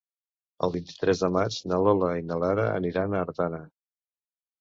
El vint-i-tres de maig na Lola i na Lara aniran a Artana.